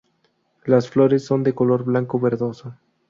Las flores son de color blanco verdoso.